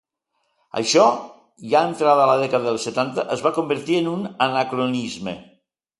Això, ja entrada la dècada dels setanta, es va convertir en un anacronisme.